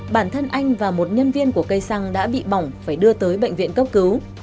bản thân anh và một nhân viên của cây xăng đã bị bỏng phải đưa tới bệnh viện cấp cứu